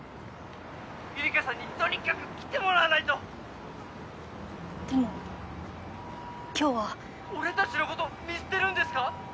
☎ゆりかさんにとにかく来てもらわないとでも今日は☎俺達のこと見捨てるんですか？